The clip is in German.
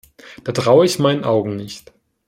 Da traue ich meinen Augen nicht.